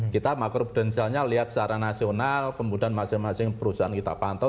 kita makro prudensialnya lihat secara nasional kemudian masing masing perusahaan kita pantau